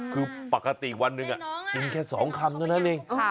คือปกติวันหนึ่งกินแค่๒คำเท่านั้นเอง